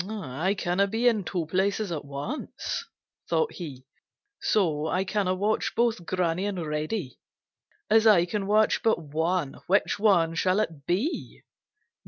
"I can't be in two places at once," thought he, "so I can't watch both Granny and Reddy. As I can watch but one, which one shall it be?